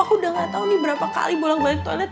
aduh aku udah nggak tau nih berapa kali bolong balik toilet